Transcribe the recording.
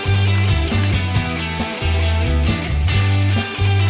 รถราเล่นกันวุ่นวายมากกว่าฝรกผมหัวบ้านหนา